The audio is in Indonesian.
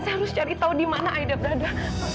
saya harus cari tahu dimana aida berada